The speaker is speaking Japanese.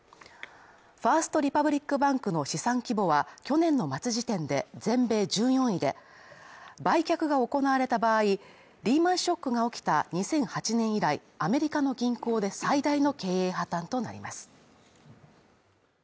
ファースト・リパブリック・バンクの資産規模は去年の末時点で、全米１４位で売却が行われた場合、リーマンショックが起きた２００８年以来、アメリカの銀行で最大の経営破綻となります。